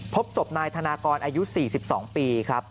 พบศพนายธนากรอายุ๔๒ปีครับ